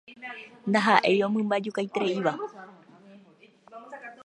Ndahaʼéi omymbajukaitereíva.